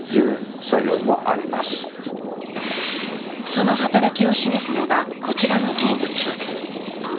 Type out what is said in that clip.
その働きを示すのがこちらの動物。